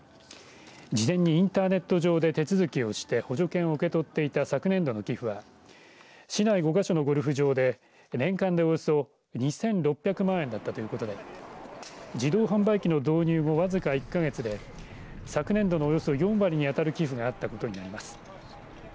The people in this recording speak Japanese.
事前にインターネット上で手続きをして補助券を受け取っていた昨年度の寄付は市内５か所のゴルフ場で年間でおよそ２６００万円だったということで自動販売機の導入後わずか１か月で昨年度のおよそ４割にあたる寄付があったことになります。